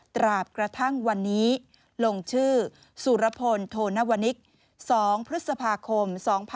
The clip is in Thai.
ตราบกระทั่งวันนี้ลงชื่อสุรพลโทนวนิก๒พฤษภาคม๒๕๖๒